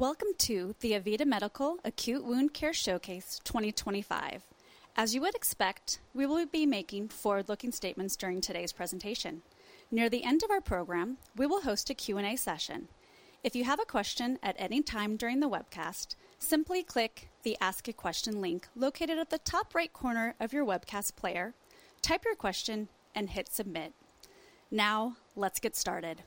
Welcome to the AVITA Medical Acute Wound Care Showcase 2025. As you would expect, we will be making forward-looking statements during today's presentation. Near the end of our program, we will host a Q&A session. If you have a question at any time during the webcast, simply click the Ask a Question link located at the top right corner of your webcast player, type your question, and hit Submit. Now, let's get started.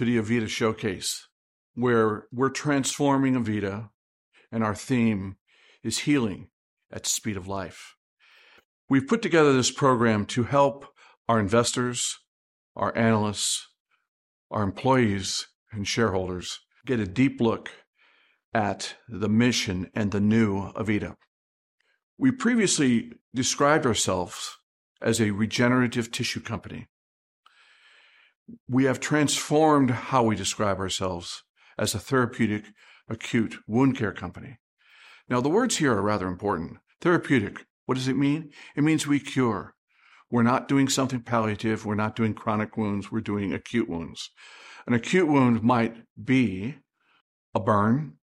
Welcome to the AVITA Showcase, where we're transforming AVITA, and our theme is healing at the speed of life. We've put together this program to help our investors, our analysts, our employees, and shareholders get a deep look at the mission and the new AVITA. We previously described ourselves as a regenerative tissue company. We have transformed how we describe ourselves as a therapeutic acute wound care company. Now, the words here are rather important. Therapeutic, what does it mean? It means we cure. We're not doing something palliative. We're not doing chronic wounds. We're doing acute wounds. An acute wound might be a burn.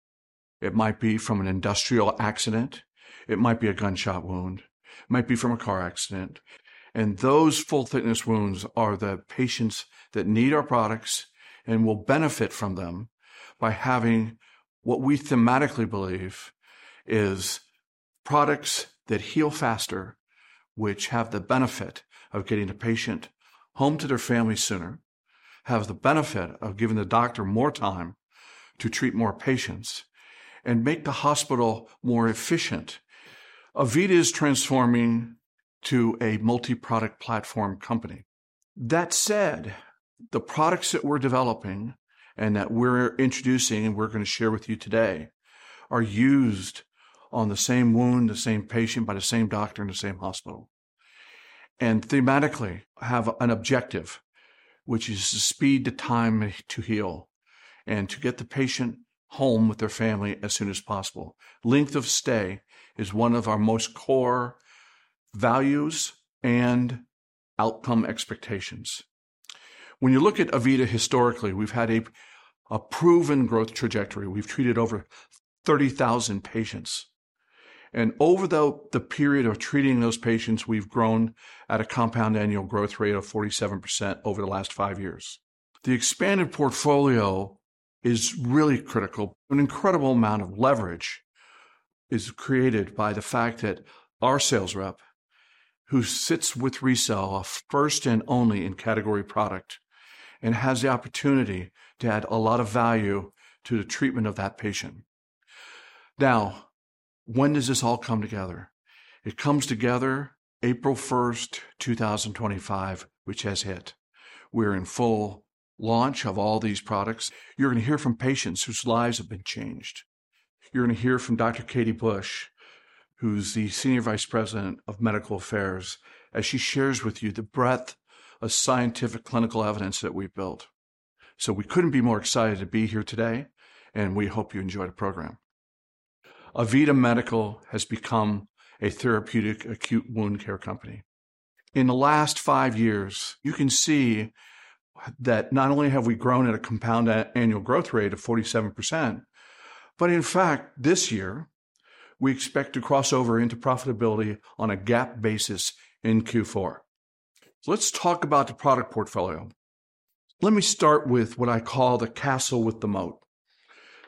It might be from an industrial accident. It might be a gunshot wound. It might be from a car accident. Those full-thickness wounds are the patients that need our products and will benefit from them by having what we thematically believe is products that heal faster, which have the benefit of getting the patient home to their family sooner, have the benefit of giving the doctor more time to treat more patients, and make the hospital more efficient. AVITA is transforming to a multi-product platform company. That said, the products that we're developing and that we're introducing and we're going to share with you today are used on the same wound, the same patient, by the same doctor, and the same hospital, and thematically have an objective, which is to speed the time to heal and to get the patient home with their family as soon as possible. Length of stay is one of our most core values and outcome expectations. When you look at AVITA historically, we've had a proven growth trajectory. We've treated over 30,000 patients. Over the period of treating those patients, we've grown at a compound annual growth rate of 47% over the last five years. The expanded portfolio is really critical. An incredible amount of leverage is created by the fact that our sales rep, who sits with RECELL, our first and only in-category product, has the opportunity to add a lot of value to the treatment of that patient. Now, when does this all come together? It comes together April 1st, 2025, which has hit. We're in full launch of all these products. You're going to hear from patients whose lives have been changed. You're going to hear from Dr. Katie Bush, who's the Senior Vice President of Medical Affairs, as she shares with you the breadth of scientific clinical evidence that we've built. We couldn't be more excited to be here today, and we hope you enjoy the program. AVITA Medical has become a therapeutic acute wound care company. In the last five years, you can see that not only have we grown at a compound annual growth rate of 47%, but in fact, this year, we expect to cross over into profitability on a GAAP basis in Q4. Let's talk about the product portfolio. Let me start with what I call the castle with the moat.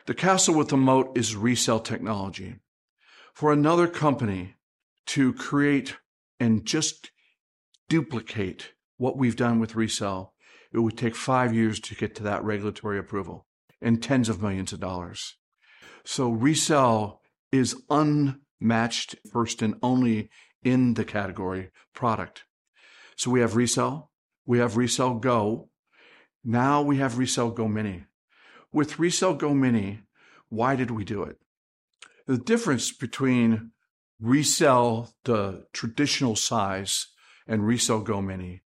The castle with the moat is RECELL technology. For another company to create and just duplicate what we've done with RECELL, it would take five years to get to that regulatory approval and tens of millions of dollars. RECELL is unmatched, first and only in the category product. We have RECELL. We have RECELL GO. Now we have RECELL GO mini. With RECELL GO mini, why did we do it? The difference between RECELL, the traditional size, and RECELL GO mini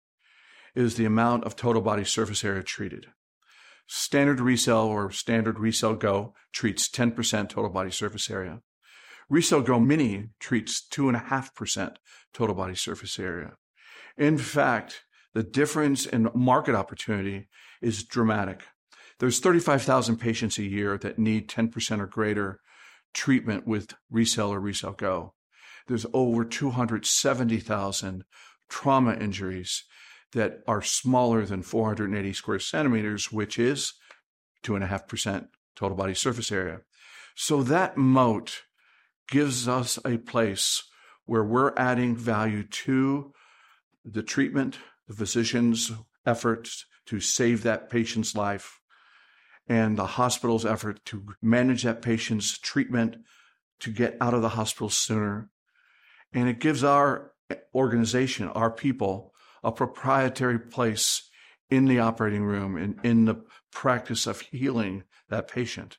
is the amount of total body surface area treated. Standard RECELL or standard RECELL GO treats 10% total body surface area. RECELL GO mini treats 2.5% total body surface area. In fact, the difference in market opportunity is dramatic. There are 35,000 patients a year that need 10% or greater treatment with RECELL or RECELL GO. There are over 270,000 trauma injuries that are smaller than 480 sq cm, which is 2.5% total body surface area. That moat gives us a place where we're adding value to the treatment, the physician's efforts to save that patient's life, and the hospital's effort to manage that patient's treatment to get out of the hospital sooner. It gives our organization, our people, a proprietary place in the operating room and in the practice of healing that patient.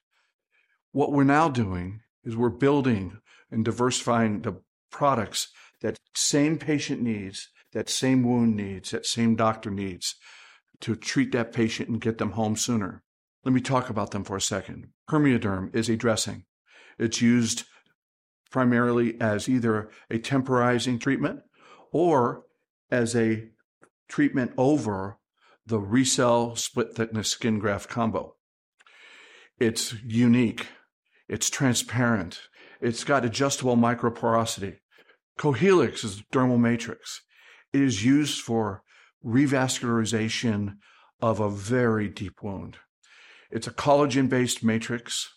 What we're now doing is we're building and diversifying the products that same patient needs, that same wound needs, that same doctor needs to treat that patient and get them home sooner. Let me talk about them for a second. PermeaDerm is a dressing. It's used primarily as either a temporizing treatment or as a treatment over the RECELL split-thickness skin graft combo. It's unique. It's transparent. It's got adjustable microporosity. Cohealyx is a dermal matrix. It is used for revascularization of a very deep wound. It's a collagen-based matrix.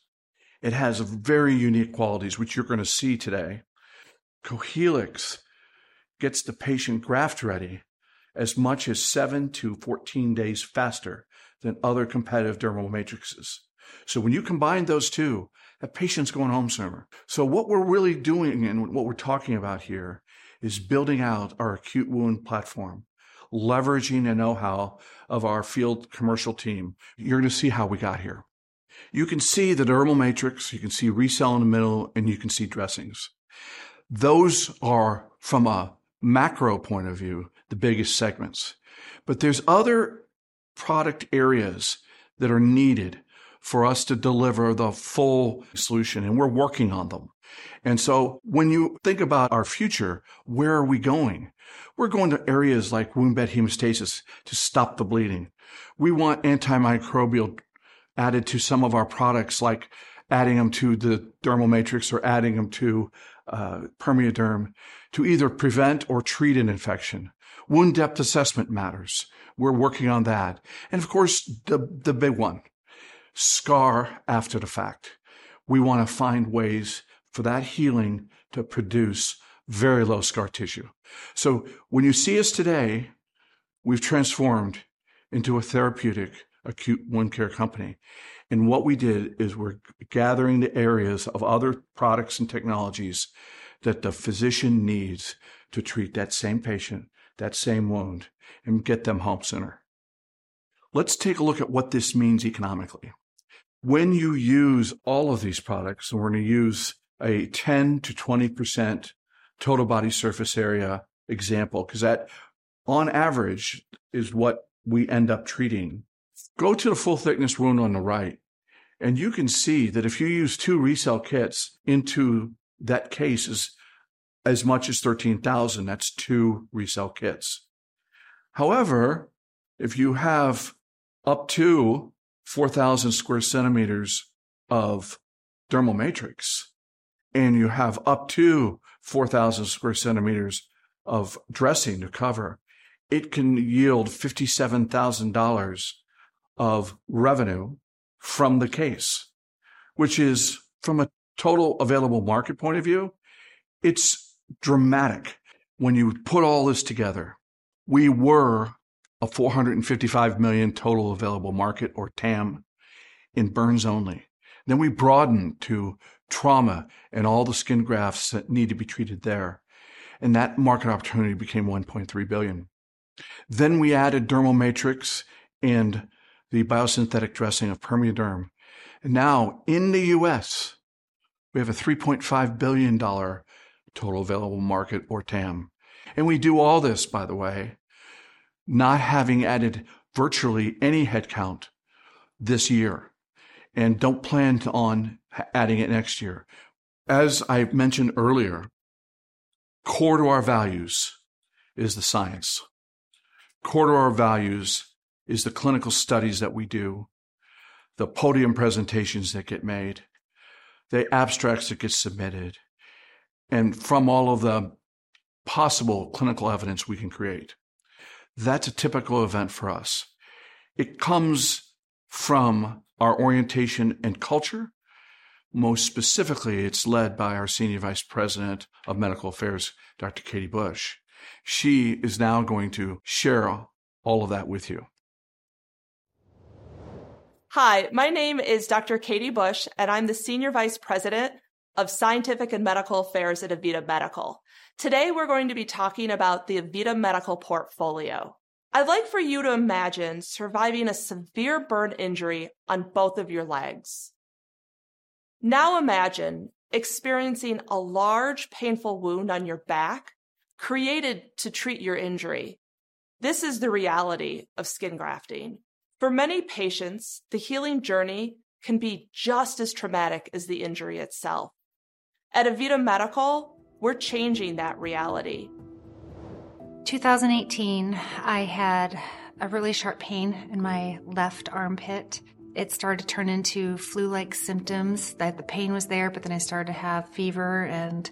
It has very unique qualities, which you're going to see today. Cohealyx gets the patient graft ready as much as 7 days-14 days faster than other competitive dermal matrices. When you combine those two, that patient's going home sooner. What we're really doing and what we're talking about here is building out our acute wound platform, leveraging the know-how of our field commercial team. You're going to see how we got here. You can see the dermal matrix. You can see RECELL in the middle, and you can see dressings. Those are, from a macro point of view, the biggest segments. There are other product areas that are needed for us to deliver the full solution, and we're working on them. When you think about our future, where are we going? We're going to areas like wound bed hemostasis to stop the bleeding. We want antimicrobial added to some of our products, like adding them to the dermal matrix or adding them to PermeaDerm to either prevent or treat an infection. Wound depth assessment matters. We're working on that. Of course, the big one, scar after the fact. We want to find ways for that healing to produce very low scar tissue. When you see us today, we've transformed into a therapeutic acute wound care company. What we did is we're gathering the areas of other products and technologies that the physician needs to treat that same patient, that same wound, and get them home sooner. Let's take a look at what this means economically. When you use all of these products, and we're going to use a 10%-20% total body surface area example, because that, on average, is what we end up treating. Go to the full-thickness wound on the right, and you can see that if you use two RECELL kits into that case, it's as much as $13,000. That's two RECELL kits. However, if you have up to 4,000 sq cm of dermal matrix and you have up to 4,000 sq cm of dressing to cover, it can yield $57,000 of revenue from the case, which is, from a total available market point of view, it's dramatic. When you put all this together, we were a $455 million total available market or TAM in burns only. Then we broadened to trauma and all the skin grafts that need to be treated there, and that market opportunity became $1.3 billion. Then we added dermal matrix and the biosynthetic dressing of PermeaDerm. Now, in the U.S., we have a $3.5 billion total available market or TAM. We do all this, by the way, not having added virtually any headcount this year and do not plan on adding it next year. As I mentioned earlier, core to our values is the science. Core to our values is the clinical studies that we do, the podium presentations that get made, the abstracts that get submitted, and from all of the possible clinical evidence we can create. That is a typical event for us. It comes from our orientation and culture. Most specifically, it is led by our Senior Vice President of Medical Affairs, Dr. Katie Bush. She is now going to share all of that with you. Hi, my name is Dr. Katie Bush, and I'm the Senior Vice President of Scientific and Medical Affairs at AVITA Medical. Today, we're going to be talking about the AVITA Medical portfolio. I'd like for you to imagine surviving a severe burn injury on both of your legs. Now imagine experiencing a large, painful wound on your back created to treat your injury. This is the reality of skin grafting. For many patients, the healing journey can be just as traumatic as the injury itself. At AVITA Medical, we're changing that reality. 2018, I had a really sharp pain in my left armpit. It started to turn into flu-like symptoms. The pain was there, but then I started to have fever and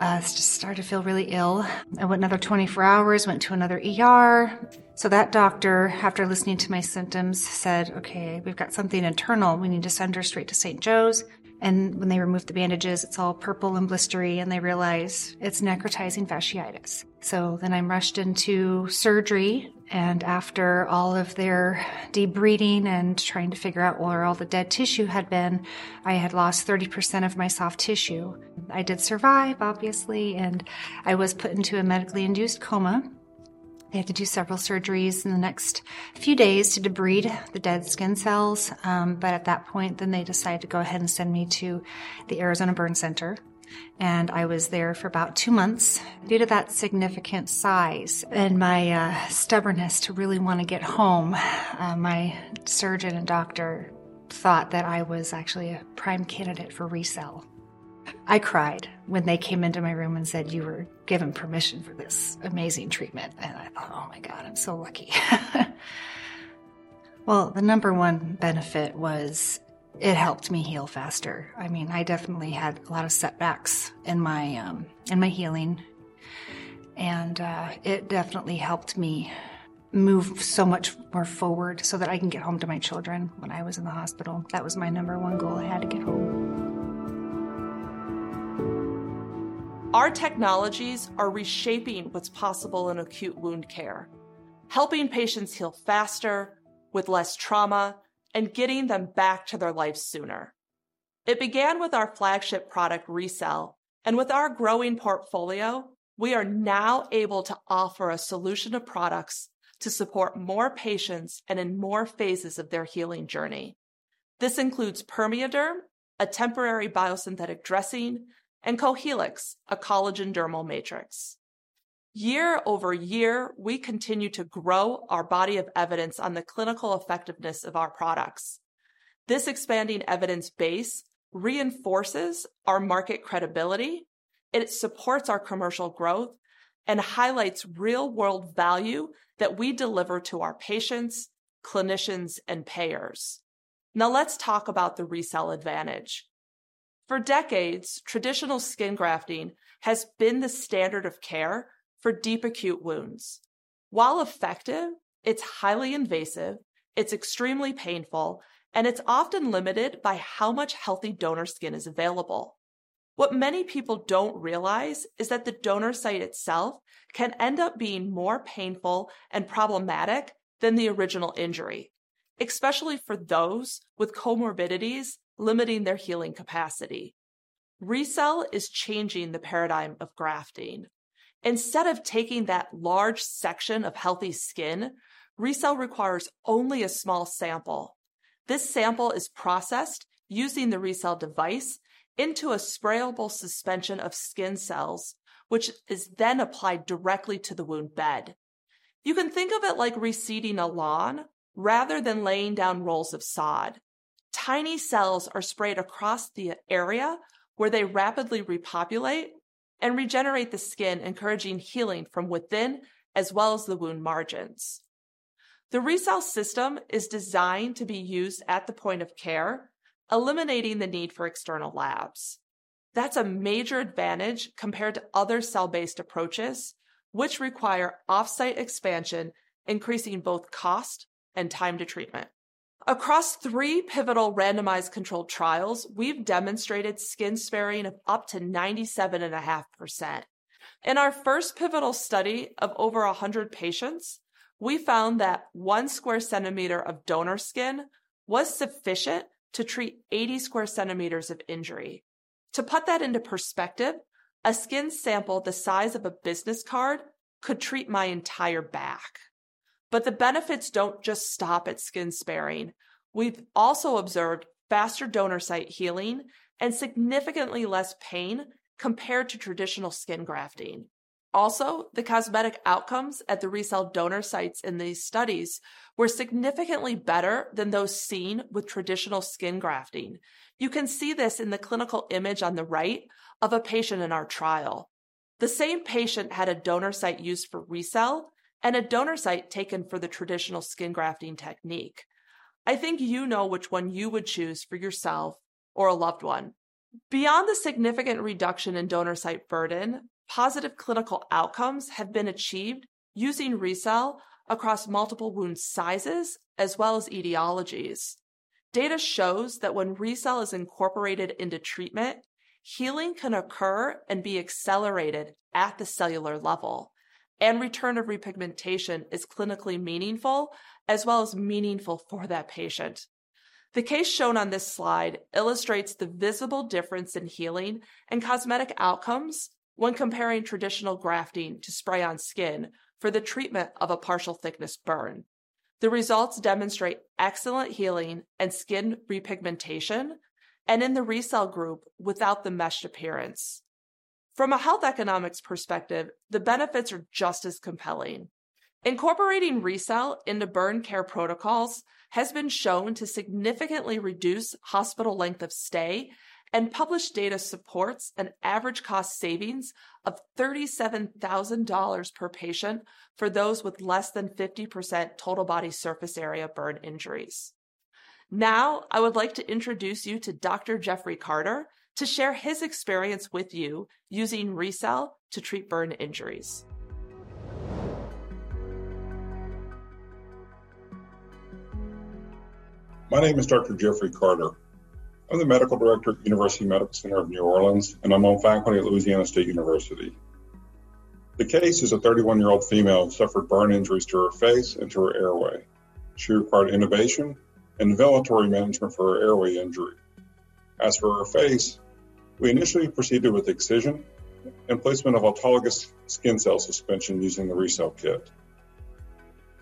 just started to feel really ill. I went another 24 hours, went to another doctor. That doctor, after listening to my symptoms, said, "Okay, we've got something internal. We need to send her straight to St. Joe's." When they removed the bandages, it was all purple and blistery, and they realized it was necrotizing fasciitis. I was rushed into surgery, and after all of their debriding and trying to figure out where all the dead tissue had been, I had lost 30% of my soft tissue. I did survive, obviously, and I was put into a medically induced coma. They had to do several surgeries in the next few days to debride the dead skin cells. At that point, they decided to go ahead and send me to the Arizona Burn Center. I was there for about two months. Due to that significant size and my stubbornness to really want to get home, my surgeon and doctor thought that I was actually a prime candidate for RECELL. I cried when they came into my room and said, "You were given permission for this amazing treatment." I thought, "Oh my God, I'm so lucky." The number one benefit was it helped me heal faster. I mean, I definitely had a lot of setbacks in my healing, and it definitely helped me move so much more forward so that I can get home to my children when I was in the hospital. That was my number one goal. I had to get home. Our technologies are reshaping what's possible in acute wound care, helping patients heal faster with less trauma and getting them back to their life sooner. It began with our flagship product, RECELL, and with our growing portfolio, we are now able to offer a solution of products to support more patients and in more phases of their healing journey. This includes PermeaDerm, a temporary biosynthetic dressing, and Cohealyx, a collagen dermal matrix. Year-over-year, we continue to grow our body of evidence on the clinical effectiveness of our products. This expanding evidence base reinforces our market credibility. It supports our commercial growth and highlights real-world value that we deliver to our patients, clinicians, and payers. Now let's talk about the RECELL advantage. For decades, traditional skin grafting has been the standard of care for deep acute wounds. While effective, it's highly invasive, it's extremely painful, and it's often limited by how much healthy donor skin is available. What many people don't realize is that the donor site itself can end up being more painful and problematic than the original injury, especially for those with comorbidities limiting their healing capacity. RECELL is changing the paradigm of grafting. Instead of taking that large section of healthy skin, RECELL requires only a small sample. This sample is processed using the RECELL device into a sprayable suspension of skin cells, which is then applied directly to the wound bed. You can think of it like reseeding a lawn rather than laying down rolls of sod. Tiny cells are sprayed across the area where they rapidly repopulate and regenerate the skin, encouraging healing from within as well as the wound margins. The RECELL system is designed to be used at the point of care, eliminating the need for external labs. That's a major advantage compared to other cell-based approaches, which require off-site expansion, increasing both cost and time to treatment. Across three pivotal randomized controlled trials, we've demonstrated skin sparing of up to 97.5%. In our first pivotal study of over 100 patients, we found that 1 sq cm of donor skin was sufficient to treat 80 sq cm of injury. To put that into perspective, a skin sample the size of a business card could treat my entire back. The benefits do not just stop at skin sparing. We've also observed faster donor site healing and significantly less pain compared to traditional skin grafting. Also, the cosmetic outcomes at the RECELL donor sites in these studies were significantly better than those seen with traditional skin grafting. You can see this in the clinical image on the right of a patient in our trial. The same patient had a donor site used for RECELL and a donor site taken for the traditional skin grafting technique. I think you know which one you would choose for yourself or a loved one. Beyond the significant reduction in donor site burden, positive clinical outcomes have been achieved using RECELL across multiple wound sizes as well as etiologies. Data shows that when RECELL is incorporated into treatment, healing can occur and be accelerated at the cellular level, and return of repigmentation is clinically meaningful as well as meaningful for that patient. The case shown on this slide illustrates the visible difference in healing and cosmetic outcomes when comparing traditional grafting to spray on skin for the treatment of a partial thickness burn. The results demonstrate excellent healing and skin repigmentation, and in the RECELL group, without the meshed appearance. From a health economics perspective, the benefits are just as compelling. Incorporating RECELL into burn care protocols has been shown to significantly reduce hospital length of stay, and published data supports an average cost savings of $37,000 per patient for those with less than 50% total body surface area burn injuries. Now, I would like to introduce you to Dr. Jeffrey Carter to share his experience with you using RECELL to treat burn injuries. My name is Dr. Jeffrey Carter. I'm the medical director at University Medical Center of New Orleans, and I'm on faculty at Louisiana State University. The case is a 31-year-old female who suffered burn injuries to her face and to her airway. She required intubation and ventilatory management for her airway injury. As for her face, we initially proceeded with excision and placement of autologous skin cell suspension using the RECELL kit.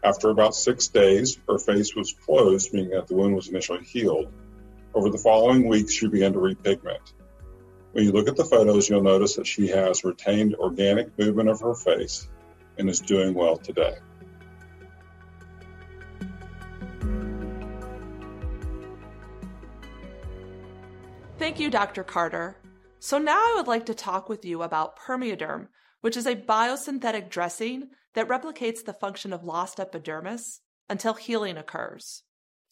After about six days, her face was closed, meaning that the wound was initially healed. Over the following weeks, she began to repigment. When you look at the photos, you'll notice that she has retained organic movement of her face and is doing well today. Thank you, Dr. Carter. Now I would like to talk with you about PermeaDerm, which is a biosynthetic dressing that replicates the function of lost epidermis until healing occurs.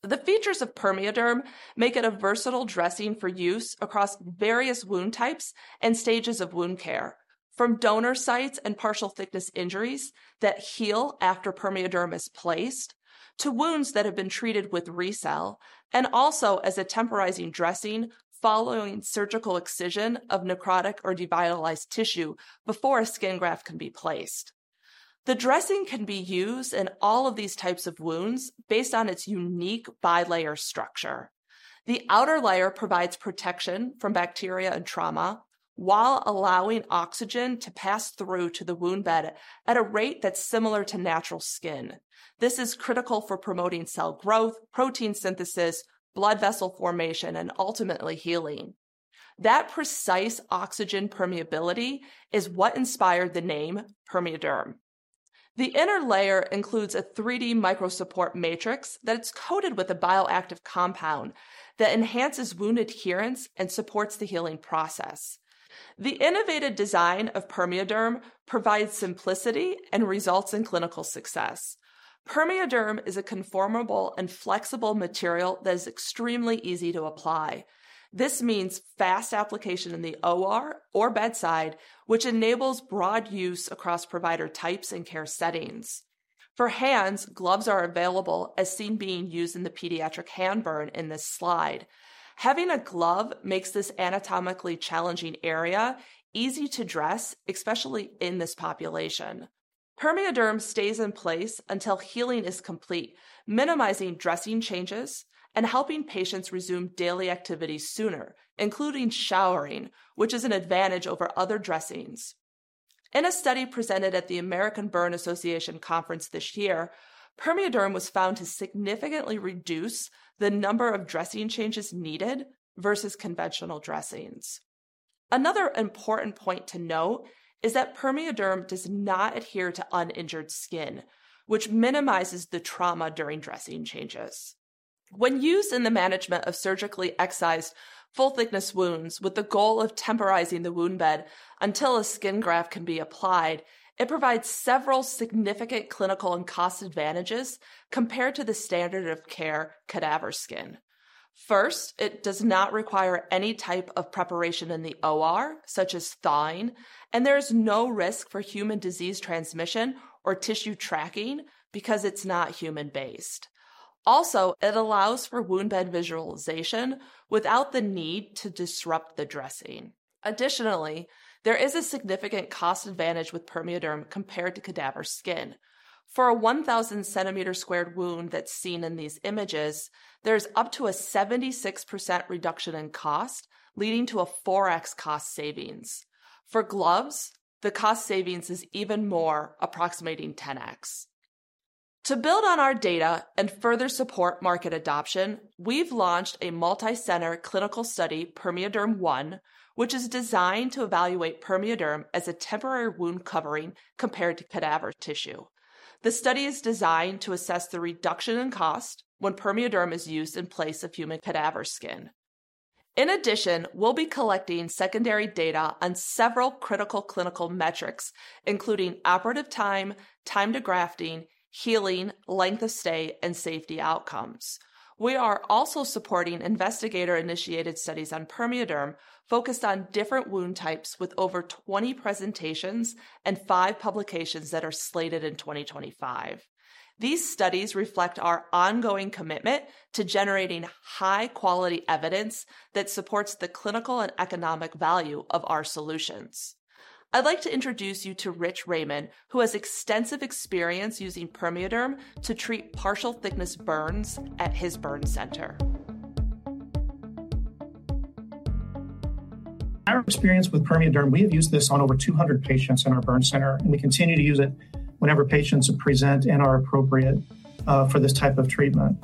The features of PermeaDerm make it a versatile dressing for use across various wound types and stages of wound care, from donor sites and partial thickness injuries that heal after PermeaDerm is placed to wounds that have been treated with RECELL and also as a temporizing dressing following surgical excision of necrotic or devitalized tissue before a skin graft can be placed. The dressing can be used in all of these types of wounds based on its unique bilayer structure. The outer layer provides protection from bacteria and trauma while allowing oxygen to pass through to the wound bed at a rate that's similar to natural skin. This is critical for promoting cell growth, protein synthesis, blood vessel formation, and ultimately healing. That precise oxygen permeability is what inspired the name PermeaDerm. The inner layer includes a 3D micro support matrix that is coated with a bioactive compound that enhances wound adherence and supports the healing process. The innovative design of PermeaDerm provides simplicity and results in clinical success. PermeaDerm is a conformable and flexible material that is extremely easy to apply. This means fast application in the OR or bedside, which enables broad use across provider types and care settings. For hands, gloves are available as seen being used in the pediatric hand burn in this slide. Having a glove makes this anatomically challenging area easy to dress, especially in this population. PermeaDerm stays in place until healing is complete, minimizing dressing changes and helping patients resume daily activities sooner, including showering, which is an advantage over other dressings. In a study presented at the American Burn Association conference this year, PermeaDerm was found to significantly reduce the number of dressing changes needed versus conventional dressings. Another important point to note is that PermeaDerm does not adhere to uninjured skin, which minimizes the trauma during dressing changes. When used in the management of surgically excised full-thickness wounds with the goal of temporizing the wound bed until a skin graft can be applied, it provides several significant clinical and cost advantages compared to the standard of care cadaver skin. First, it does not require any type of preparation in the OR, such as thawing, and there is no risk for human disease transmission or tissue tracking because it's not human-based. Also, it allows for wound bed visualization without the need to disrupt the dressing. Additionally, there is a significant cost advantage with PermeaDerm compared to cadaver skin. For a 1,000-centimeter-squared wound that's seen in these images, there's up to a 76% reduction in cost, leading to a 4x cost savings. For gloves, the cost savings is even more, approximating 10x. To build on our data and further support market adoption, we've launched a multicenter clinical study, PermeaDerm One, which is designed to evaluate PermeaDerm as a temporary wound covering compared to cadaver tissue. The study is designed to assess the reduction in cost when PermeaDerm is used in place of human cadaver skin. In addition, we'll be collecting secondary data on several critical clinical metrics, including operative time, time to grafting, healing, length of stay, and safety outcomes. We are also supporting investigator-initiated studies on PermeaDerm focused on different wound types with over 20 presentations and five publications that are slated in 2025. These studies reflect our ongoing commitment to generating high-quality evidence that supports the clinical and economic value of our solutions. I'd like to introduce you to Rich Raymond, who has extensive experience using PermeaDerm to treat partial thickness burns at his burn center. Our experience with PermeaDerm, we have used this on over 200 patients in our burn center, and we continue to use it whenever patients present and are appropriate for this type of treatment.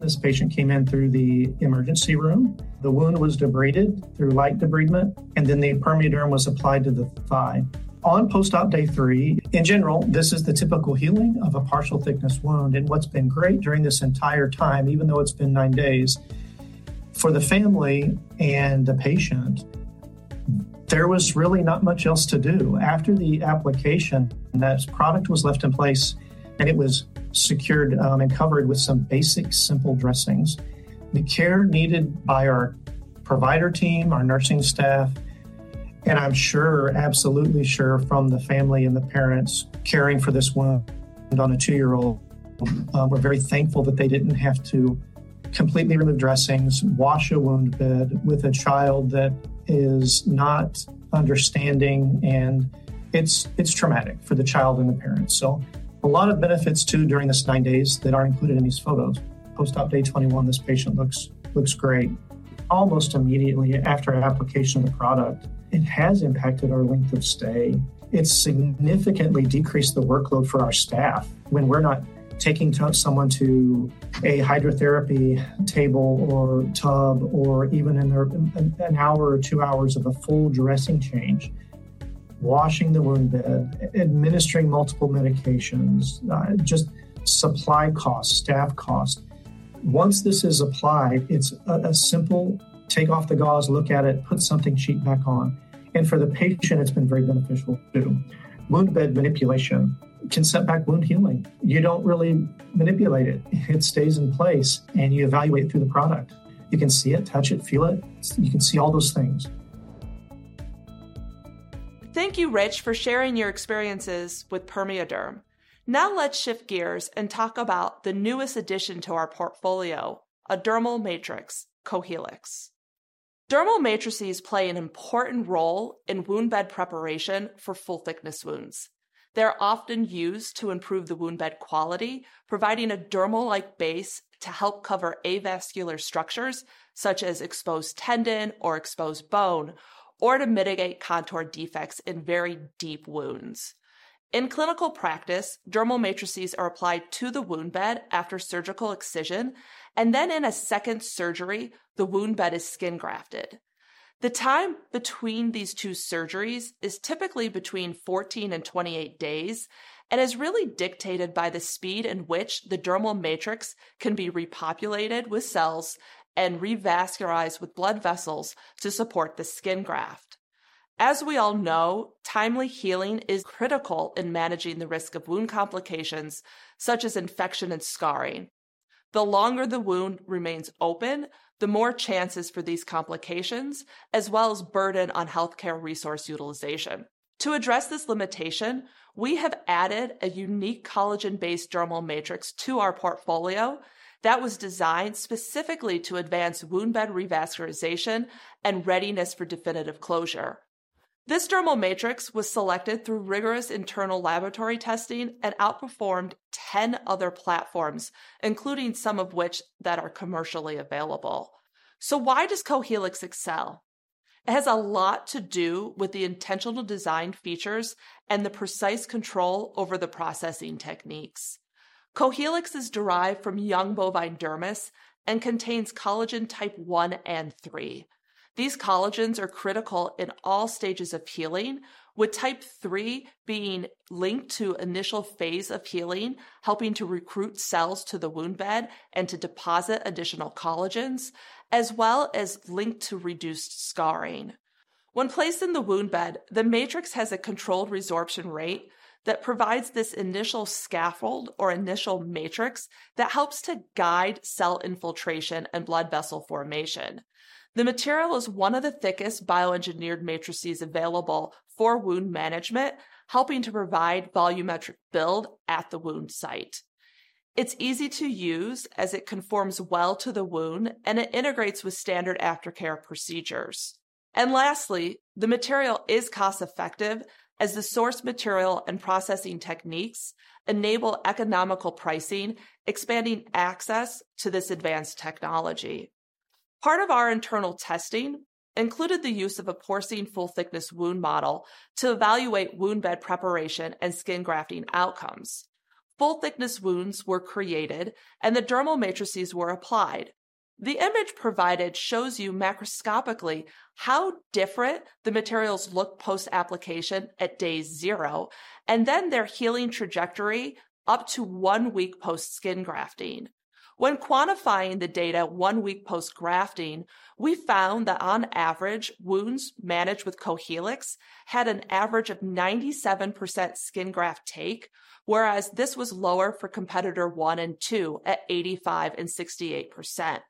This patient came in through the emergency room. The wound was debrided through light debridement, and then the PermeaDerm was applied to the thigh. On post-op day three, in general, this is the typical healing of a partial thickness wound. What's been great during this entire time, even though it's been nine days, for the family and the patient, there was really not much else to do. After the application, that product was left in place, and it was secured and covered with some basic simple dressings. The care needed by our provider team, our nursing staff, and I'm sure, absolutely sure, from the family and the parents caring for this wound on a two-year-old, we're very thankful that they didn't have to completely remove dressings, wash a wound bed with a child that is not understanding, and it's traumatic for the child and the parents. A lot of benefits too during this nine days that are included in these photos. Post-op day 21, this patient looks great. Almost immediately after application of the product, it has impacted our length of stay. It's significantly decreased the workload for our staff when we're not taking someone to a hydrotherapy table or tub or even in an hour or two hours of a full dressing change, washing the wound bed, administering multiple medications, just supply costs, staff costs. Once this is applied, it's a simple take off the gauze, look at it, put something cheap back on. For the patient, it's been very beneficial too. Wound bed manipulation can set back wound healing. You don't really manipulate it. It stays in place, and you evaluate through the product. You can see it, touch it, feel it. You can see all those things. Thank you, Rich, for sharing your experiences with PermeaDerm. Now let's shift gears and talk about the newest addition to our portfolio, a dermal matrix, Cohealyx. Dermal matrices play an important role in wound bed preparation for full-thickness wounds. They're often used to improve the wound bed quality, providing a dermal-like base to help cover avascular structures such as exposed tendon or exposed bone, or to mitigate contour defects in very deep wounds. In clinical practice, dermal matrices are applied to the wound bed after surgical excision, and then in a second surgery, the wound bed is skin grafted. The time between these two surgeries is typically between 14 and 28 days and is really dictated by the speed in which the dermal matrix can be repopulated with cells and revascularized with blood vessels to support the skin graft. As we all know, timely healing is critical in managing the risk of wound complications such as infection and scarring. The longer the wound remains open, the more chances for these complications, as well as burden on healthcare resource utilization. To address this limitation, we have added a unique collagen-based dermal matrix to our portfolio that was designed specifically to advance wound bed revascularization and readiness for definitive closure. This dermal matrix was selected through rigorous internal laboratory testing and outperformed 10 other platforms, including some of which that are commercially available. Why does Cohealyx excel? It has a lot to do with the intentional design features and the precise control over the processing techniques. Cohealyx is derived from young bovine dermis and contains collagen type I and III. These collagens are critical in all stages of healing, with type III being linked to initial phase of healing, helping to recruit cells to the wound bed and to deposit additional collagens, as well as linked to reduced scarring. When placed in the wound bed, the matrix has a controlled resorption rate that provides this initial scaffold or initial matrix that helps to guide cell infiltration and blood vessel formation. The material is one of the thickest bioengineered matrices available for wound management, helping to provide volumetric build at the wound site. It is easy to use as it conforms well to the wound, and it integrates with standard aftercare procedures. Lastly, the material is cost-effective as the source material and processing techniques enable economical pricing, expanding access to this advanced technology. Part of our internal testing included the use of a porcine full-thickness wound model to evaluate wound bed preparation and skin grafting outcomes. Full-thickness wounds were created, and the dermal matrices were applied. The image provided shows you macroscopically how different the materials look post-application at day zero and then their healing trajectory up to one week post-skin grafting. When quantifying the data one week post-grafting, we found that on average, wounds managed with Cohealyx had an average of 97% skin graft take, whereas this was lower for competitor one and two at 85% and 68%.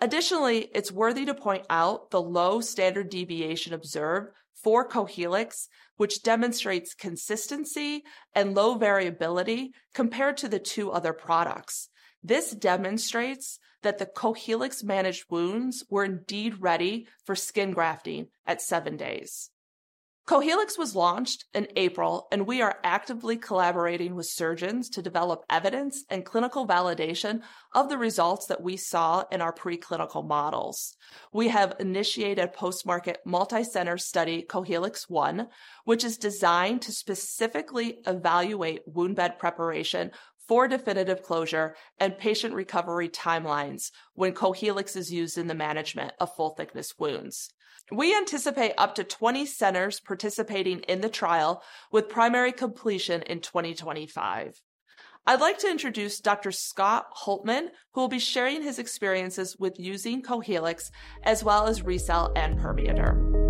Additionally, it's worthy to point out the low standard deviation observed for Cohealyx, which demonstrates consistency and low variability compared to the two other products. This demonstrates that the Cohealyx-managed wounds were indeed ready for skin grafting at seven days. Cohealyx was launched in April, and we are actively collaborating with surgeons to develop evidence and clinical validation of the results that we saw in our preclinical models. We have initiated a post-market multicenter study, Cohealyx One, which is designed to specifically evaluate wound bed preparation for definitive closure and patient recovery timelines when Cohealyx is used in the management of full-thickness wounds. We anticipate up to 20 centers participating in the trial with primary completion in 2025. I'd like to introduce Dr. Scott Hultman, who will be sharing his experiences with using Cohealyx as well as RECELL and PermeaDerm.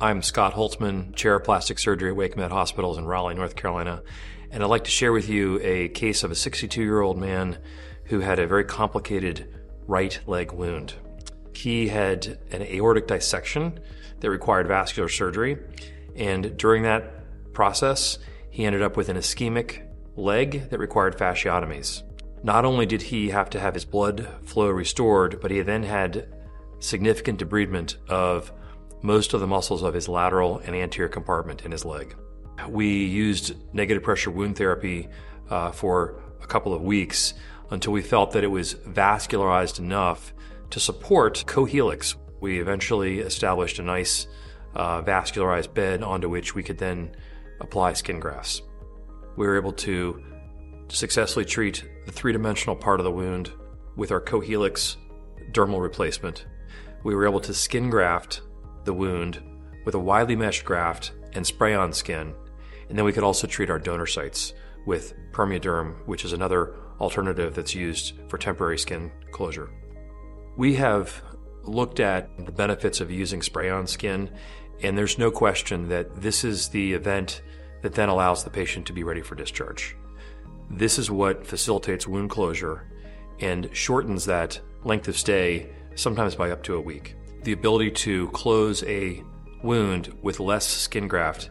I'm Scott Hultman, Chair of Plastic Surgery at WakeMed Hospitals in Raleigh, North Carolina, and I'd like to share with you a case of a 62-year-old man who had a very complicated right leg wound. He had an aortic dissection that required vascular surgery, and during that process, he ended up with an ischemic leg that required fasciotomies. Not only did he have to have his blood flow restored, but he then had significant debridement of most of the muscles of his lateral and anterior compartment in his leg. We used negative pressure wound therapy for a couple of weeks until we felt that it was vascularized enough to support Cohealyx. We eventually established a nice vascularized bed onto which we could then apply skin grafts. We were able to successfully treat the three-dimensional part of the wound with our Cohealyx dermal replacement. We were able to skin graft the wound with a widely meshed graft and spray-on skin, and then we could also treat our donor sites with PermeaDerm, which is another alternative that's used for temporary skin closure. We have looked at the benefits of using spray-on skin, and there's no question that this is the event that then allows the patient to be ready for discharge. This is what facilitates wound closure and shortens that length of stay sometimes by up to a week. The ability to close a wound with less skin graft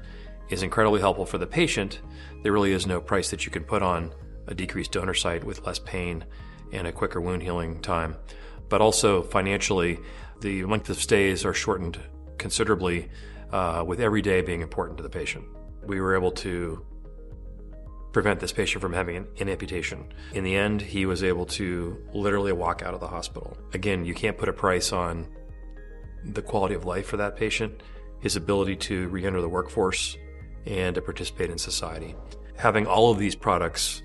is incredibly helpful for the patient. There really is no price that you can put on a decreased donor site with less pain and a quicker wound healing time, but also financially, the length of stays are shortened considerably, with every day being important to the patient. We were able to prevent this patient from having an amputation. In the end, he was able to literally walk out of the hospital. Again, you can't put a price on the quality of life for that patient, his ability to re-enter the workforce, and to participate in society. Having all of these products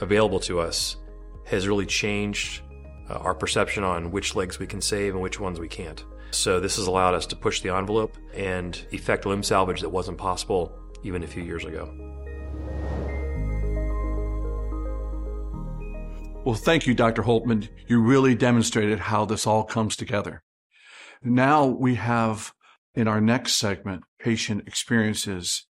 available to us has really changed our perception on which legs we can save and which ones we can't. This has allowed us to push the envelope and effect limb salvage that wasn't possible even a few years ago. Thank you, Dr. Hultman. You really demonstrated how this all comes together. Now we have, in our next segment, patient experiences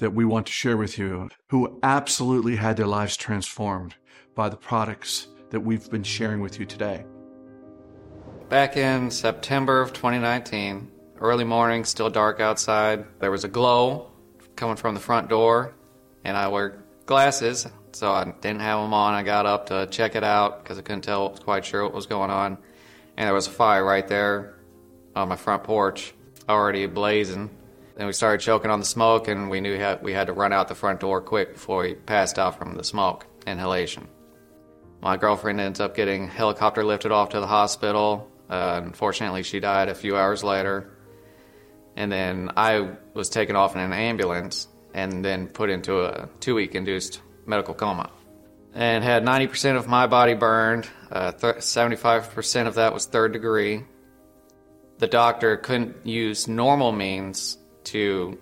that we want to share with you who absolutely had their lives transformed by the products that we've been sharing with you today. Back in September of 2019, early morning, still dark outside. There was a glow coming from the front door, and I wear glasses, so I didn't have them on. I got up to check it out because I couldn't tell quite sure what was going on. There was a fire right there on my front porch, already blazing. We started choking on the smoke, and we knew we had to run out the front door quick before we passed out from the smoke inhalation. My girlfriend ends up getting helicopter lifted off to the hospital. Unfortunately, she died a few hours later. I was taken off in an ambulance and then put into a two-week induced medical coma and had 90% of my body burned. 75% of that was third degree. The doctor couldn't use normal means to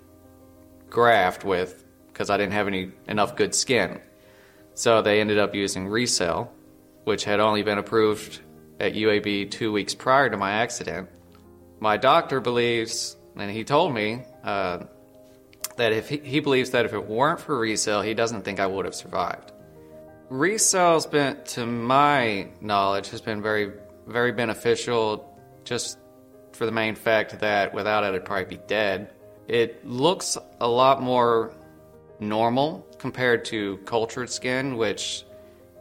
graft with because I didn't have enough good skin. So they ended up using RECELL, which had only been approved at UAB two weeks prior to my accident. My doctor believes, and he told me, that if he believes that if it weren't for RECELL, he doesn't think I would have survived. RECELL, to my knowledge, has been very, very beneficial just for the main fact that without it, I'd probably be dead. It looks a lot more normal compared to cultured skin, which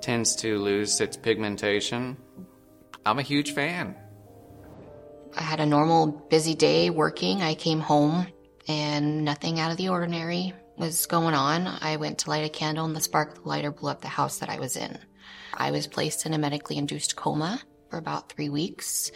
tends to lose its pigmentation. I'm a huge fan. I had a normal busy day working. I came home, and nothing out of the ordinary was going on. I went to light a candle, and the spark of the lighter blew up the house that I was in. I was placed in a medically induced coma for about three weeks.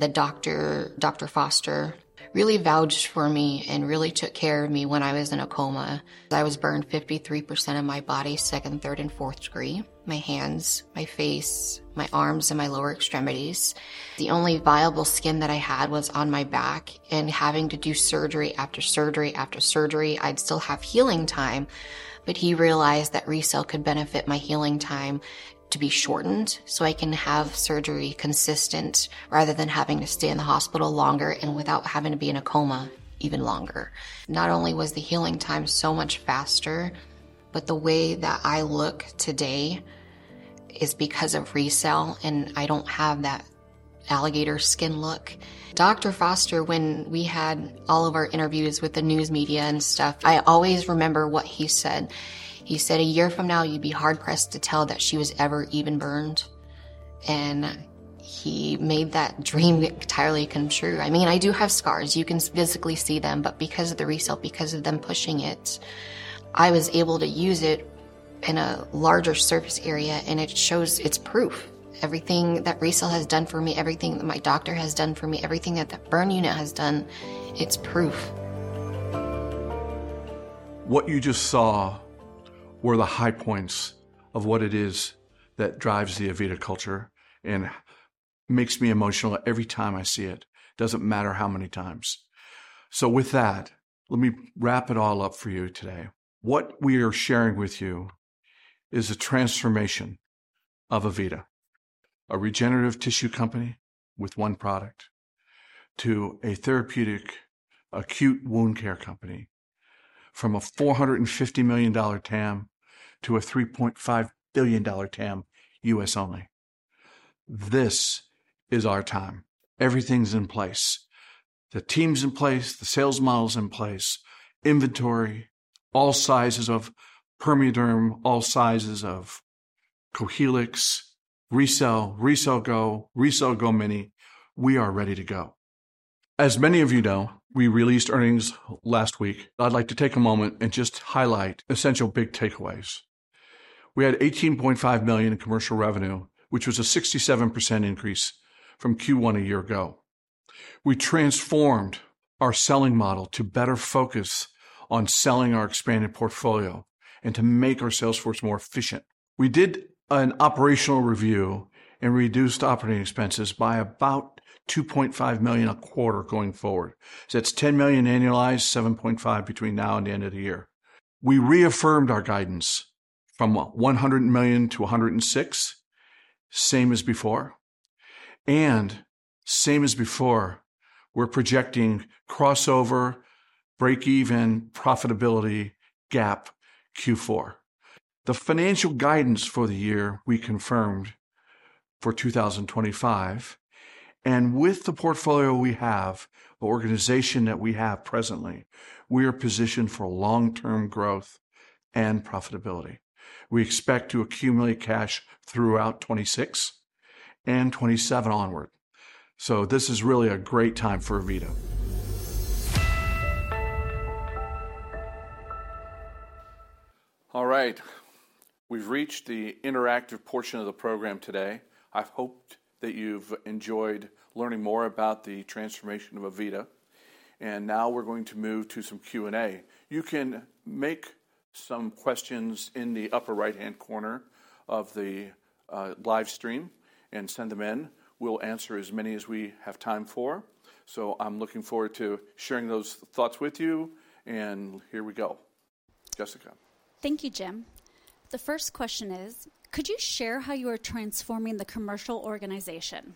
The doctor, Dr. Foster, really vouched for me and really took care of me when I was in a coma. I was burned 53% of my body, second, third, and fourth degree, my hands, my face, my arms, and my lower extremities. The only viable skin that I had was on my back, and having to do surgery after surgery after surgery, I'd still have healing time. He realized that RECELL could benefit my healing time to be shortened so I can have surgery consistent rather than having to stay in the hospital longer and without having to be in a coma even longer. Not only was the healing time so much faster, but the way that I look today is because of RECELL, and I don't have that alligator skin look. Dr. Foster, when we had all of our interviews with the news media and stuff, I always remember what he said. He said, "A year from now, you'd be hard-pressed to tell that she was ever even burned." He made that dream entirely come true. I mean, I do have scars. You can physically see them, but because of the RECELL, because of them pushing it, I was able to use it in a larger surface area, and it shows it's proof. Everything that RECELL has done for me, everything that my doctor has done for me, everything that the burn unit has done, it's proof. What you just saw were the high points of what it is that drives the AVITA culture and makes me emotional every time I see it, does not matter how many times. With that, let me wrap it all up for you today. What we are sharing with you is a transformation of AVITA, a regenerative tissue company with one product, to a therapeutic acute wound care company from a $450 million TAM to a $3.5 billion TAM U.S. only. This is our time. Everything's in place. The team's in place, the sales model's in place, inventory, all sizes of PermeaDerm, all sizes of Cohealyx, RECELL, RECELL GO, RECELL GO mini. We are ready to go. As many of you know, we released earnings last week. I'd like to take a moment and just highlight essential big takeaways. We had $18.5 million in commercial revenue, which was a 67% increase from Q1 a year ago. We transformed our selling model to better focus on selling our expanded portfolio and to make our sales force more efficient. We did an operational review and reduced operating expenses by about $2.5 million a quarter going forward. That is $10 million annualized, $7.5 million between now and the end of the year. We reaffirmed our guidance from $100 million-$106 million, same as before. Same as before, we are projecting crossover, break-even, profitability gap Q4. The financial guidance for the year we confirmed for 2025, and with the portfolio we have, the organization that we have presently, we are positioned for long-term growth and profitability. We expect to accumulate cash throughout 2026 and 2027 onward. This is really a great time for AVITA. All right. We've reached the interactive portion of the program today. I hope that you've enjoyed learning more about the transformation of AVITA. Now we're going to move to some Q&A. You can make some questions in the upper right-hand corner of the live stream and send them in. We'll answer as many as we have time for. I'm looking forward to sharing those thoughts with you. Here we go. Jessica. Thank you, Jim. The first question is, could you share how you are transforming the commercial organization?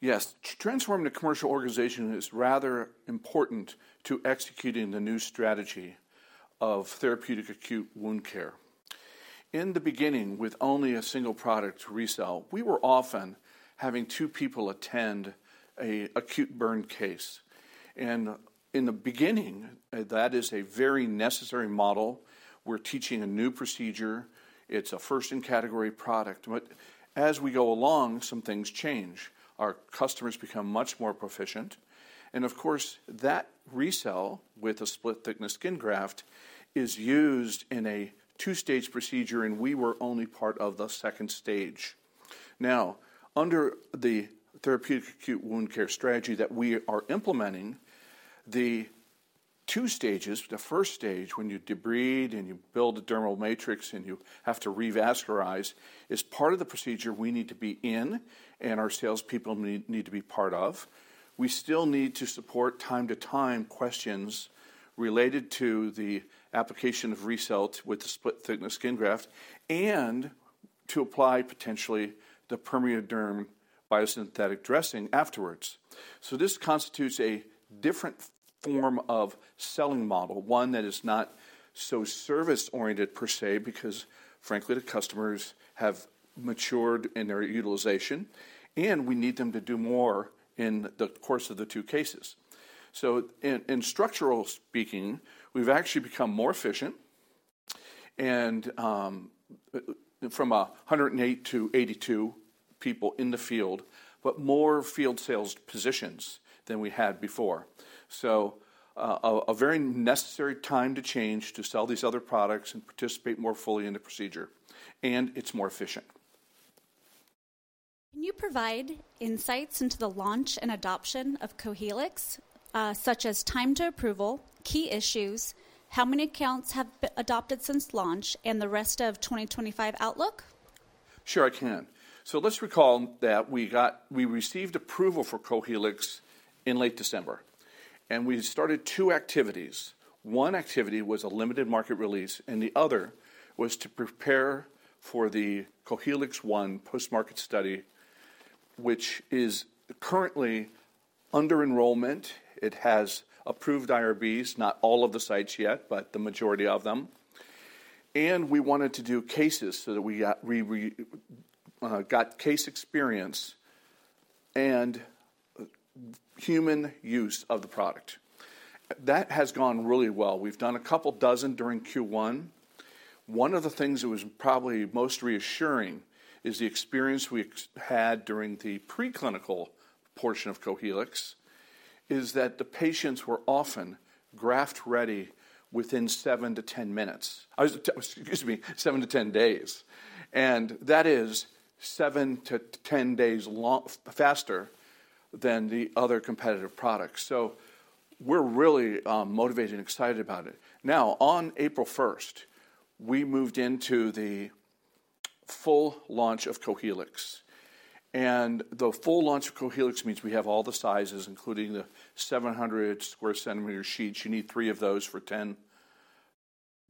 Yes. Transforming the commercial organization is rather important to executing the new strategy of therapeutic acute wound care. In the beginning, with only a single product, RECELL, we were often having two people attend an acute burn case. In the beginning, that is a very necessary model. We're teaching a new procedure. It's a first-in-category product. As we go along, some things change. Our customers become much more proficient. Of course, that RECELL with a split-thickness skin graft is used in a two-stage procedure, and we were only part of the second stage. Now, under the therapeutic acute wound care strategy that we are implementing, the two stages, the first stage, when you debride and you build a dermal matrix and you have to revascularize, is part of the procedure we need to be in and our salespeople need to be part of. We still need to support time-to-time questions related to the application of RECELL with the split-thickness skin graft and to apply potentially the PermeaDerm biosynthetic dressing afterwards. This constitutes a different form of selling model, one that is not so service-oriented per se because, frankly, the customers have matured in their utilization, and we need them to do more in the course of the two cases. In structural speaking, we've actually become more efficient from 108 to 82 people in the field, but more field sales positions than we had before. A very necessary time to change to sell these other products and participate more fully in the procedure, and it's more efficient. Can you provide insights into the launch and adoption of Cohealyx, such as time to approval, key issues, how many accounts have adopted since launch, and the rest of 2025 outlook? Sure, I can. Let's recall that we received approval for Cohealyx in late December, and we started two activities. One activity was a limited market release, and the other was to prepare for the Cohealyx One post-market study, which is currently under enrollment. It has approved IRBs, not all of the sites yet, but the majority of them. We wanted to do cases so that we got case experience and human use of the product. That has gone really well. We've done a couple dozen during Q1. One of the things that was probably most reassuring is the experience we had during the preclinical portion of Cohealyx is that the patients were often graft-ready within 7 minutes-10 minutes. Excuse me, 7 days-10 days. That is 7 days-10 days faster than the other competitive products. We're really motivated and excited about it. Now, on April 1st, we moved into the full launch of Cohealyx. And the full launch of Cohealyx means we have all the sizes, including the 700 sq cm sheets. You need three of those for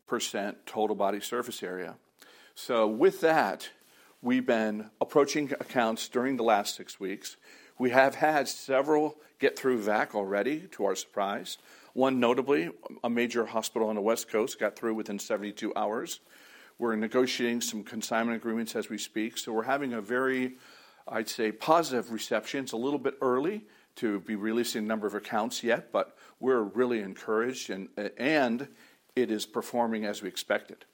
10% total body surface area. So with that, we've been approaching accounts during the last six weeks. We have had several get through VAC already, to our surprise. One, notably, a major hospital on the West Coast got through within 72 hours. We're negotiating some consignment agreements as we speak. So we're having a very, I'd say, positive reception. It's a little bit early to be releasing a number of accounts yet, but we're really encouraged, and it is performing as we expected.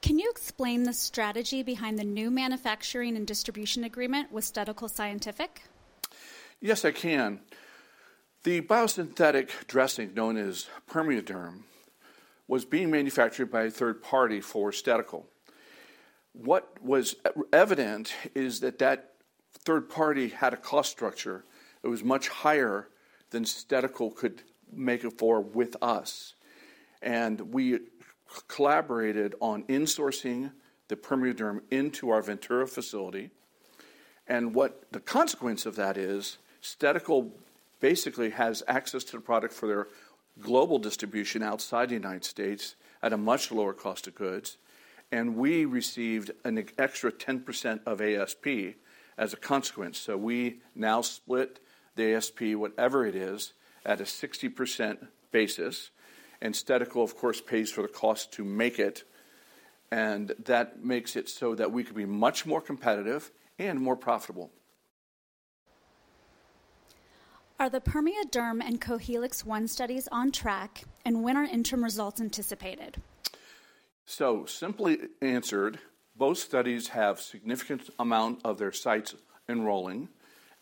Can you explain the strategy behind the new manufacturing and distribution agreement with Stedical Scientific? Yes, I can. The biosynthetic dressing known as PermeaDerm was being manufactured by a third party for Stedical. What was evident is that that third party had a cost structure that was much higher than Stedical could make it for with us. We collaborated on insourcing the PermeaDerm into our Ventura facility. What the consequence of that is, Stedical basically has access to the product for their global distribution outside the United States at a much lower cost of goods. We received an extra 10% of ASP as a consequence. We now split the ASP, whatever it is, at a 60% basis. Stedical, of course, pays for the cost to make it. That makes it so that we could be much more competitive and more profitable. Are the PermeaDerm and Cohealyx One studies on track, and when are interim results anticipated? Simply answered, both studies have a significant amount of their sites enrolling,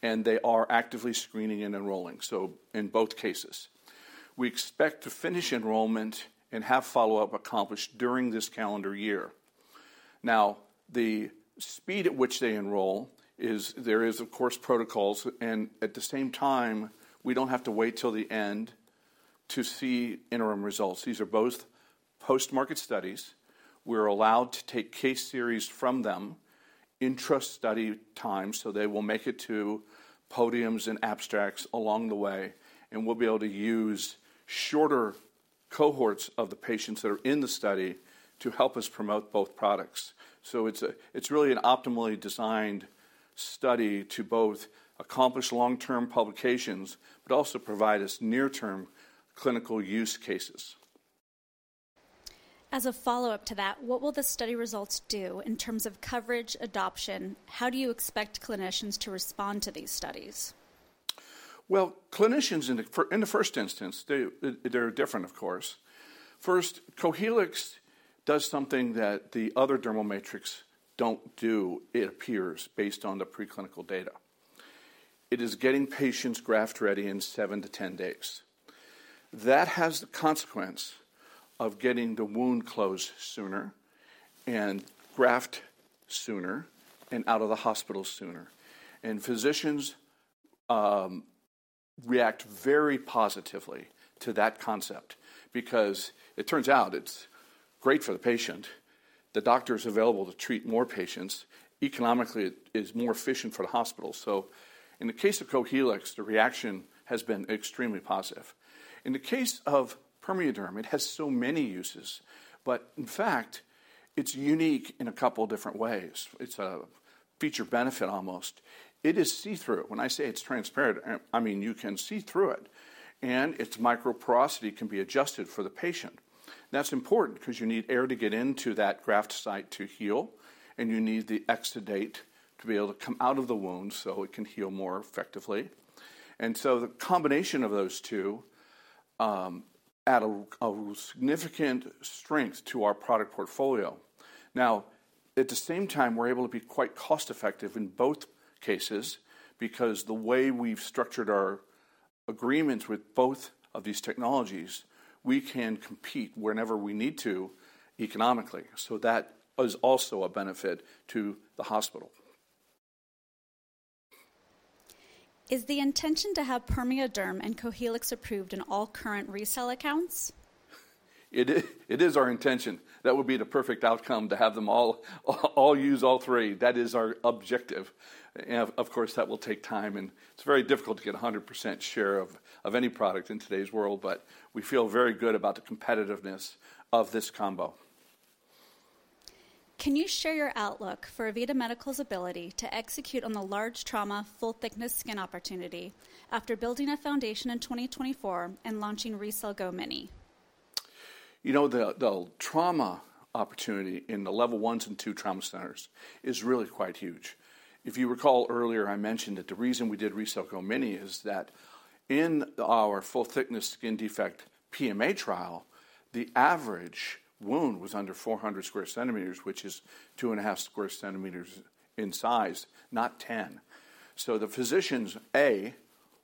and they are actively screening and enrolling, so in both cases. We expect to finish enrollment and have follow-up accomplished during this calendar year. Now, the speed at which they enroll is there is, of course, protocols. At the same time, we do not have to wait till the end to see interim results. These are both post-market studies. We are allowed to take case series from them, interest study time, so they will make it to podiums and abstracts along the way. We will be able to use shorter cohorts of the patients that are in the study to help us promote both products. It is really an optimally designed study to both accomplish long-term publications, but also provide us near-term clinical use cases. As a follow-up to that, what will the study results do in terms of coverage, adoption? How do you expect clinicians to respond to these studies? Clinicians in the first instance, they're different, of course. First, Cohealyx does something that the other dermal matrix don't do, it appears, based on the preclinical data. It is getting patients graft-ready in 7 days-10 days. That has the consequence of getting the wound closed sooner and graft sooner and out of the hospital sooner. Physicians react very positively to that concept because it turns out it's great for the patient. The doctor is available to treat more patients. Economically, it is more efficient for the hospital. In the case of Cohealyx, the reaction has been extremely positive. In the case of PermeaDerm, it has so many uses, but in fact, it's unique in a couple of different ways. It's a feature benefit almost. It is see-through. When I say it's transparent, I mean you can see through it. Its microporosity can be adjusted for the patient. That's important because you need air to get into that graft site to heal, and you need the exudate to be able to come out of the wound so it can heal more effectively. The combination of those two adds a significant strength to our product portfolio. At the same time, we're able to be quite cost-effective in both cases because the way we've structured our agreements with both of these technologies, we can compete whenever we need to economically. That is also a benefit to the hospital. Is the intention to have PermeaDerm and Cohealyx approved in all current RECELL accounts? It is our intention. That would be the perfect outcome to have them all use all three. That is our objective. Of course, that will take time, and it's very difficult to get a 100% share of any product in today's world, but we feel very good about the competitiveness of this combo. Can you share your outlook for AVITA Medical's ability to execute on the large trauma full-thickness skin opportunity after building a foundation in 2024 and launching RECELL GO mini? You know, the trauma opportunity in the level one and two trauma centers is really quite huge. If you recall earlier, I mentioned that the reason we did RECELL GO mini is that in our full-thickness skin defect PMA trial, the average wound was under 400 sq cm, which is 2.5% in size, not 10%. The physicians, A,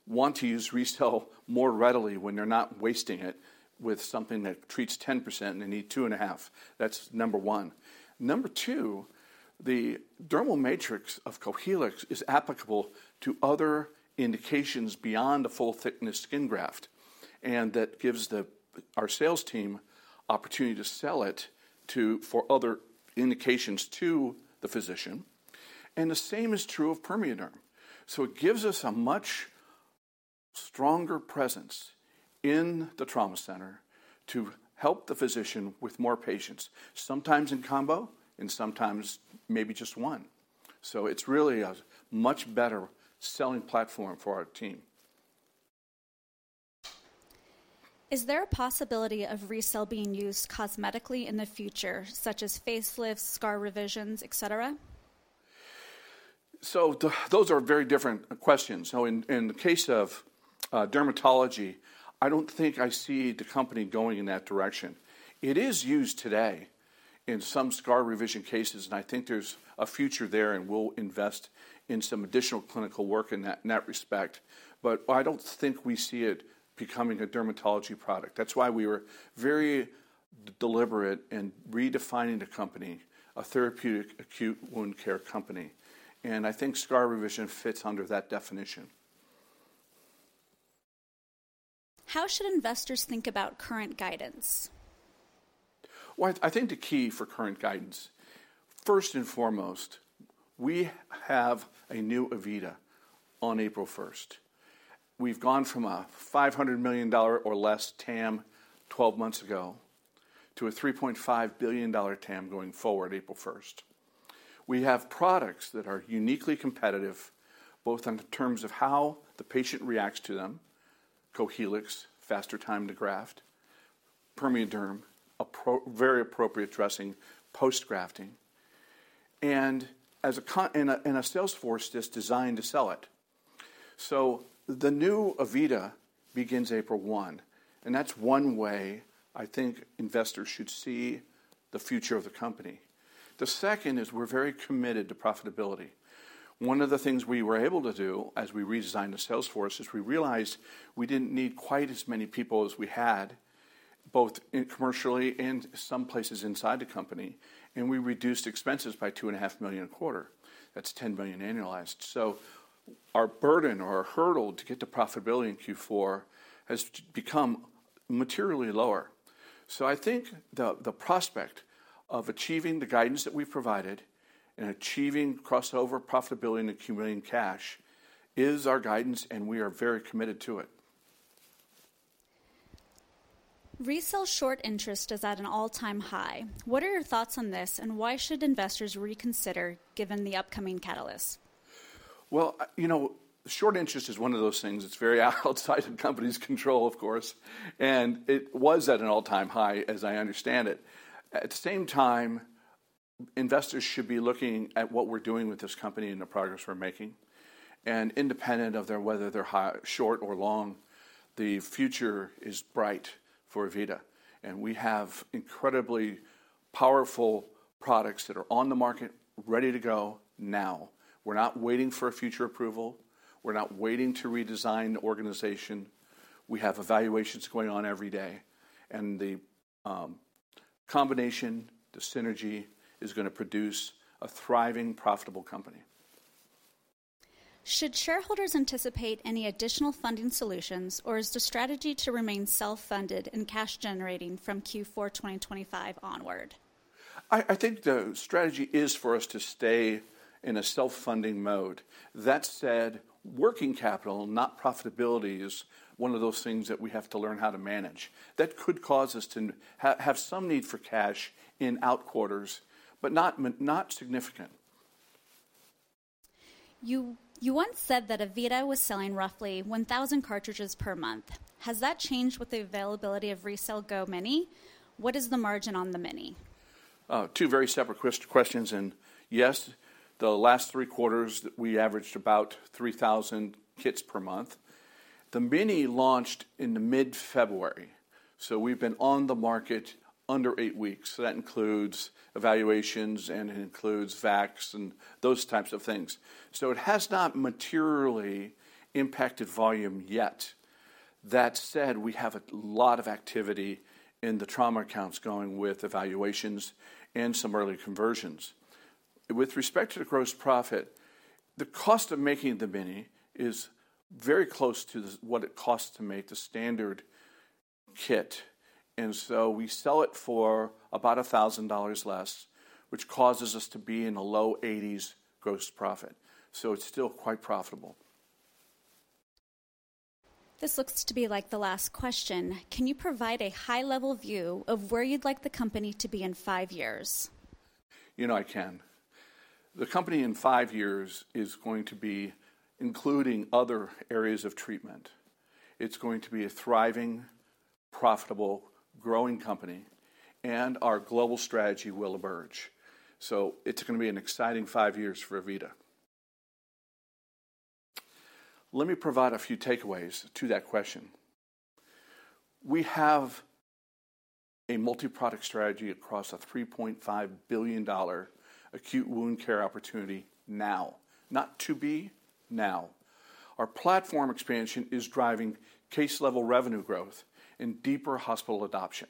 want to use RECELL more readily when they're not wasting it with something that treats 10% and they need 2.5%. That's number one. Number two, the dermal matrix of Cohealyx is applicable to other indications beyond a full-thickness skin graft. That gives our sales team the opportunity to sell it for other indications to the physician. The same is true of PermeaDerm. It gives us a much stronger presence in the trauma center to help the physician with more patients, sometimes in combo and sometimes maybe just one. It is really a much better selling platform for our team. Is there a possibility of RECELL being used cosmetically in the future, such as facelifts, scar revisions, etc.? Those are very different questions. In the case of dermatology, I don't think I see the company going in that direction. It is used today in some scar revision cases, and I think there's a future there, and we'll invest in some additional clinical work in that respect. I don't think we see it becoming a dermatology product. That's why we were very deliberate in redefining the company, a therapeutic acute wound care company. I think scar revision fits under that definition. How should investors think about current guidance? I think the key for current guidance, first and foremost, we have a new AVITA on April 1st. We've gone from a $500 million or less TAM 12 months ago to a $3.5 billion TAM going forward April 1st. We have products that are uniquely competitive, both in terms of how the patient reacts to them, Cohealyx, faster time to graft, PermeaDerm, very appropriate dressing post-grafting, and a sales force that's designed to sell it. The new AVITA begins April 1. That's one way I think investors should see the future of the company. The second is we're very committed to profitability. One of the things we were able to do as we redesigned the sales force is we realized we didn't need quite as many people as we had, both commercially and some places inside the company. We reduced expenses by $2.5 million a quarter. That's $10 million annualized. Our burden or our hurdle to get to profitability in Q4 has become materially lower. I think the prospect of achieving the guidance that we've provided and achieving crossover profitability and accumulating cash is our guidance, and we are very committed to it. RECELL short interest is at an all-time high. What are your thoughts on this, and why should investors reconsider given the upcoming catalyst? You know, short interest is one of those things that's very outside of the company's control, of course. It was at an all-time high, as I understand it. At the same time, investors should be looking at what we're doing with this company and the progress we're making. Independent of whether they're short or long, the future is bright for AVITA. We have incredibly powerful products that are on the market, ready to go now. We're not waiting for future approval. We're not waiting to redesign the organization. We have evaluations going on every day. The combination, the synergy is going to produce a thriving, profitable company. Should shareholders anticipate any additional funding solutions, or is the strategy to remain self-funded and cash-generating from Q4 2025 onward? I think the strategy is for us to stay in a self-funding mode. That said, working capital, not profitability, is one of those things that we have to learn how to manage. That could cause us to have some need for cash in outquarters, but not significant. You once said that AVITA was selling roughly 1,000 cartridges per month. Has that changed with the availability of RECELL GO mini? What is the margin on the mini? Two very separate questions. Yes, the last three quarters, we averaged about 3,000 kits per month. The mini launched in mid-February. We have been on the market under eight weeks. That includes evaluations, and it includes VACs and those types of things. It has not materially impacted volume yet. That said, we have a lot of activity in the trauma accounts going with evaluations and some early conversions. With respect to the gross profit, the cost of making the mini is very close to what it costs to make the standard kit. We sell it for about $1,000 less, which causes us to be in a low 80% gross profit. It is still quite profitable. This looks to be like the last question. Can you provide a high-level view of where you'd like the company to be in five years? You know, I can. The company in five years is going to be including other areas of treatment. It's going to be a thriving, profitable, growing company. Our global strategy will emerge. It is going to be an exciting five years for AVITA. Let me provide a few takeaways to that question. We have a multi-product strategy across a $3.5 billion acute wound care opportunity now. Not to be, now. Our platform expansion is driving case-level revenue growth and deeper hospital adoption.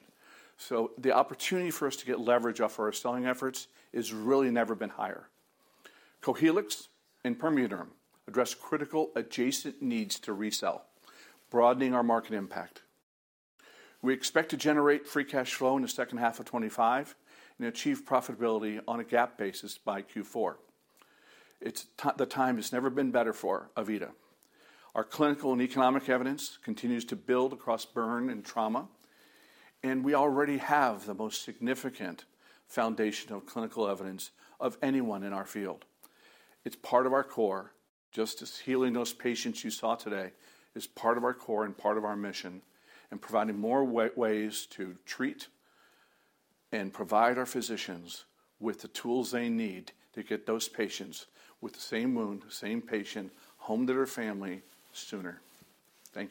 The opportunity for us to get leverage off of our selling efforts has really never been higher. Cohealyx and PermeaDerm address critical adjacent needs to RECELL, broadening our market impact. We expect to generate free cash flow in the second half of 2025 and achieve profitability on a GAAP basis by Q4. The time has never been better for AVITA. Our clinical and economic evidence continues to build across burn and trauma. We already have the most significant foundation of clinical evidence of anyone in our field. It is part of our core. Just as healing those patients you saw today is part of our core and part of our mission in providing more ways to treat and provide our physicians with the tools they need to get those patients with the same wound, the same patient, home to their family sooner. Thank you.